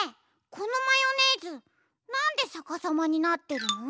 このマヨネーズなんでさかさまになってるの？